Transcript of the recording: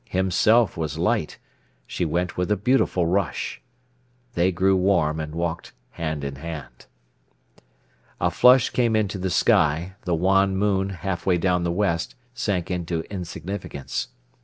Himself was light; she went with a beautiful rush. They grew warm, and walked hand in hand. A flush came into the sky, the wan moon, half way down the west, sank into insignificance.